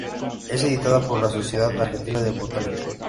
Es editada por la Sociedad Argentina de Botánica.